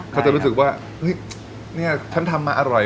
เขาจะรู้สึกว่าเฮ้ยเนี่ยฉันทำมาอร่อย